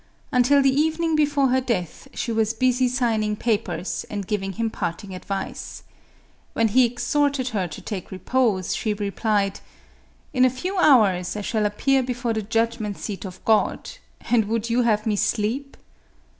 Until the evening before her death, she was busy signing papers, and giving him parting advice. When he exhorted her to take repose, she replied, " In a few hours I shall appear before the judgment seat of God, and would you have me sleep?"